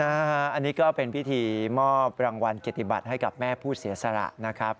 อันนี้ก็เป็นพิธีมอบรางวัลเกียรติบัตรให้กับแม่ผู้เสียสละนะครับ